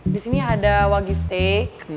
disini ada wagyu steak